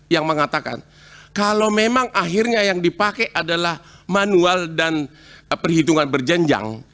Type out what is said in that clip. yang mengatakan kalau memang akhirnya yang dipakai adalah manual dan perhitungan berjenjang